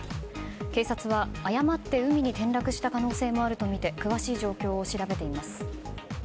警察は、誤って海に転落した可能性もあるとみて詳しい状況を調べています。